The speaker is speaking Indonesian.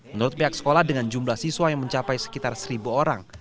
menurut pihak sekolah dengan jumlah siswa yang mencapai sekitar seribu orang